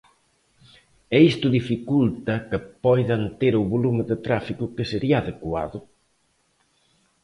E isto dificulta que poidan ter o volume de tráfico que sería adecuado.